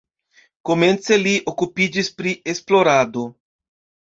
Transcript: Komence li okupiĝis pri esplorado.